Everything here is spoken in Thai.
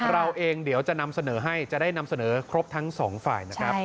เราเองเดี๋ยวจะนำเสนอให้จะได้นำเสนอครบทั้งสองฝ่ายนะครับ